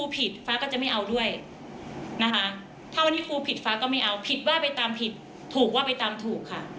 ผิดว่าไปตามผิดถูกว่าไปตามถูกค่ะ